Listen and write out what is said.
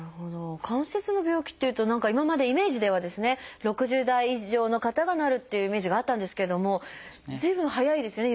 関節の病気っていうと何か今までイメージではですね６０代以上の方がなるっていうイメージがあったんですけども随分早いですね